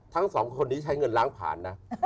ทั้งสองคนนี้ใช้เงินล้างผ่านนะ